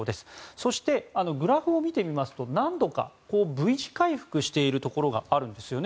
そしてグラフを見てみますと何度かＶ字回復しているところがあるんですよね。